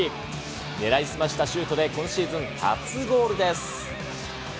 狙い澄ましたシュートで今シーズン初ゴールです。